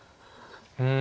うん。